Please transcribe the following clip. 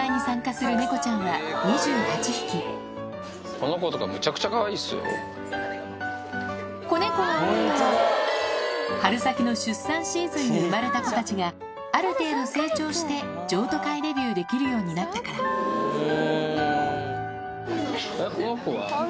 今日の子猫が多いのは春先の出産シーズンに生まれた子たちがある程度成長して譲渡会デビューできるようになったからこの子は？